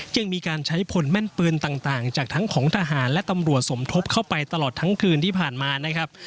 ยังมีการใช้ผลแม่นปืนต่างจากทั้งของทหารและตำรวจสมทบเข้าไปตลอดทั้งคืนที่ผ่านมานะครับ